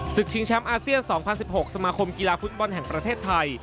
ชิงแชมป์อาเซียน๒๐๑๖สมาคมกีฬาฟุตบอลแห่งประเทศไทย